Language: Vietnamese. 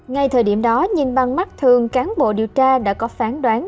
ngay thời điểm đó nhìn bằng mắt thường cán bộ điều tra đã có phán đoán